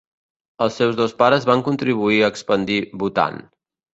Els seus dos pares van contribuir a expandir Bhutan.